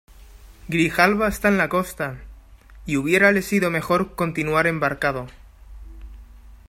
Grijalba está en la costa, y hubiérale sido mejor continuar embarcado.